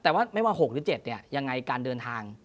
แต่ว่าไม่ว่า๖หรือ๗ยังไงการเดินทาง